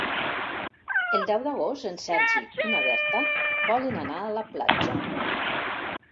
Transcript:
El deu d'agost en Sergi i na Berta volen anar a la platja.